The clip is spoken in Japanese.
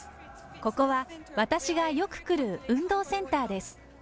ここは私がよく来る運動センターです。